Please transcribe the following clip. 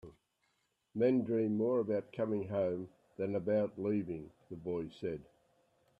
"Men dream more about coming home than about leaving," the boy said.